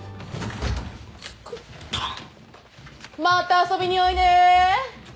また遊びにおいで。